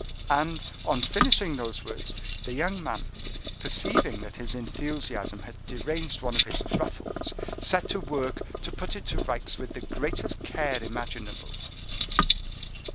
And, on finishing those words, the young man, perceiving that his enthusiasm had deranged one of his ruffles, set to work to put it to rights with the greatest care imaginable.